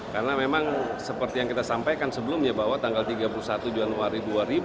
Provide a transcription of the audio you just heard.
karena memang seperti yang kita sampaikan sebelumnya bahwa tanggal tiga puluh satu januari dua ribu dua puluh